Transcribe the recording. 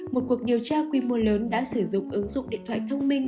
một cuộc điều tra quy mô lớn đã sử dụng ứng dụng điện thoại thông minh